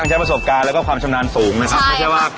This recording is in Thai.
มันใช้ประสบการณ์แล้วก็ความชำนาญสูงนะครับ